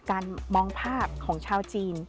มองภาพของชาวจีน